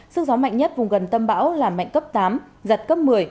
sức gió mạnh nhất vùng gần tâm bão là mạnh cấp tám giật cấp một mươi